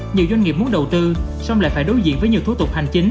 nhiều doanh nghiệp muốn đầu tư xong lại phải đối diện với nhiều thủ tục hành chính